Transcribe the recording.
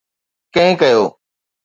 ڪنهن ڪيو